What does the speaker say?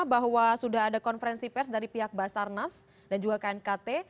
bahwa sudah ada konferensi pers dari pihak basarnas dan juga knkt